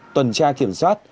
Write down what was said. tuần tra kiểm soát